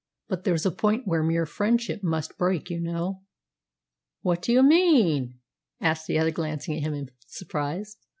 But there's a point where mere friendship must break, you know." "What do you mean?" asked the other, glancing at him in surprise.